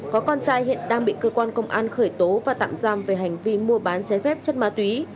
có con trai hiện đang bị cơ quan công an khởi tố và tạm giam về hành vi mua bán trái phép chất ma túy